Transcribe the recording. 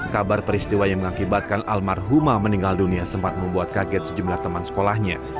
kabar peristiwa yang mengakibatkan almarhumah meninggal dunia sempat membuat kaget sejumlah teman sekolahnya